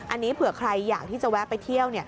อันนี้เผื่อใครอยากที่จะแวะไปเที่ยว